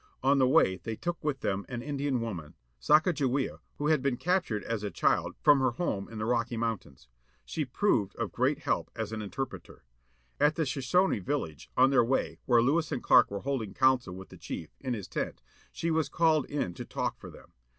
On the way they took with them an Indian woman, Sacajawea, who had been captured as a child, from her home in the Rocky Mountains. She proved of great help as an interpreter. At a Sho shone village, on their way, where Lewis and Clark were holding council with the chief, in his tent, she was called in to talk for them.